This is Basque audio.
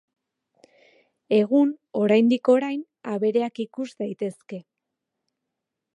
Egun, oraindik orain, abereak ikus daitezke.